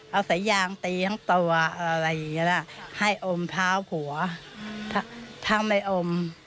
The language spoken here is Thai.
เอาสายยางตีทั้งตัวอะไรอย่างนี้แหละให้อมเท้าผัวถ้าไม่อม